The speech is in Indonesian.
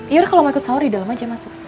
iyur kalo mau ikut sahur di dalam aja masuk